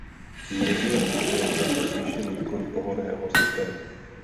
Mírně byl také zvýšen výkon pohonného systému.